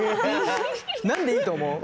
何でいいと思う？